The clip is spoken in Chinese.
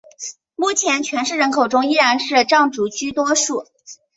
目前全市人口中依然是藏族居多数。